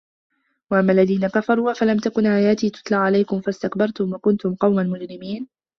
وَأَمَّا الَّذينَ كَفَروا أَفَلَم تَكُن آياتي تُتلى عَلَيكُم فَاستَكبَرتُم وَكُنتُم قَومًا مُجرِمينَ